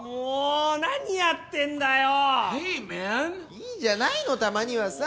いいじゃないのたまにはさ。